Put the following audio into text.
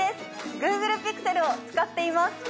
ＧｏｏｇｌｅＰｉｘｅｌを使っています！